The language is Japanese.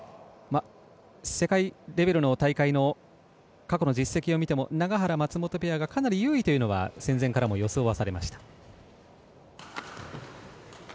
世界レベルの大会の過去の実績を見ても永原、松本ペアがかなり有利というのは戦前からも予想されました。